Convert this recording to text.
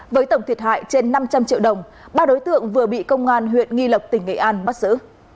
với tổng thiệt hại trên năm trăm linh triệu đồng ba đối tượng vừa bị công an huyện nghi lộc tỉnh nghệ an bắt giữ